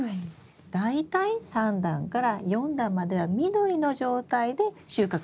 大体３段から４段までは緑の状態で収穫してほしいんです。